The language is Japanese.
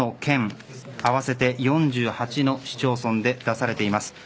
８つの県あわせて４８の市町村で出されています。